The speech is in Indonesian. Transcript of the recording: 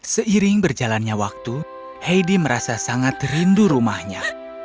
seiring berjalannya waktu heidi merasa sangat rindu rumahnya